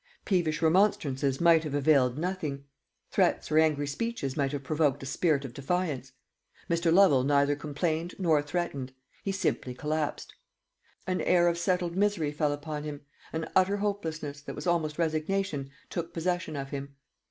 Peevish remonstrances might have availed nothing; threats or angry speeches might have provoked a spirit of defiance. Mr. Lovel neither complained nor threatened; he simply collapsed. An air of settled misery fell upon him, an utter hopelessness, that was almost resignation, took possession of him.